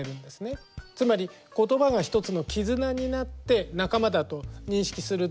つまりことばが一つの絆になって仲間だと認識する。